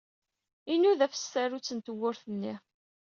Inuda ɣef tsarut n tewwurt-nni.